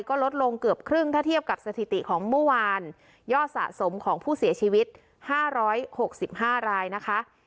ก็ลดลงเกือบครึ่งถ้าเทียบกับสถิติของเมื่อวานยอดสะสมของผู้เสียชีวิต๕๖๕รายนะคะ